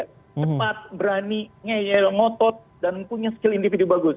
cepat berani ngeyel ngotot dan punya skill individu bagus